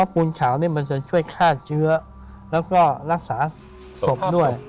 ปูนขาวนี่มันจะช่วยฆ่าเชื้อแล้วก็รักษาศพด้วย